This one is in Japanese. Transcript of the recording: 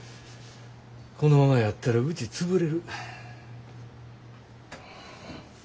このままやったらうち潰れる。